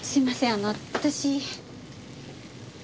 あの私。